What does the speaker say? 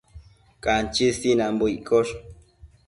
Canchi sinanbo iccosh